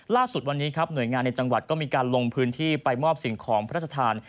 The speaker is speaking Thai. ล่าสุดวันนี้ครับหน่วยงานในจังหวัดก็มีการลงพื้นที่ไปมอบสิ่งของพระราชทาน